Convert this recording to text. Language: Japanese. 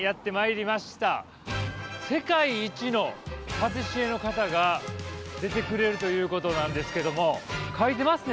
世界一のパティシエの方が出てくれるということなんですけども書いてますね